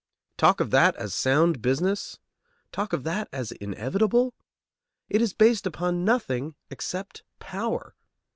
Talk of that as sound business? Talk of that as inevitable? It is based upon nothing except power.